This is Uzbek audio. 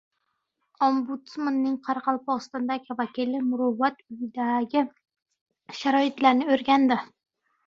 Ombudsmanning Qoraqalpog‘istondagi vakili “Muruvvat” uyidagi sharoitlarni o‘rgandi